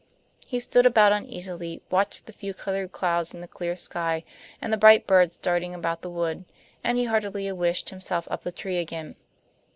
He stood about uneasily, watched the few colored clouds in the clear sky and the bright birds darting about the wood, and he heartily wished himself up the tree again.